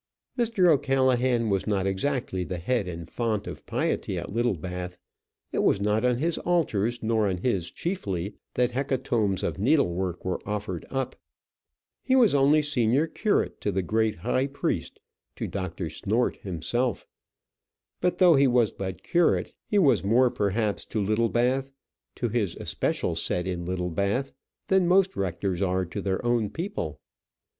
Mr. O'Callaghan was not exactly the head and font of piety at Littlebath. It was not on his altars, not on his chiefly, that hecatombs of needlework were offered up. He was only senior curate to the great high priest, to Dr. Snort himself. But though he was but curate, he was more perhaps to Littlebath to his especial set in Littlebath than most rectors are to their own people.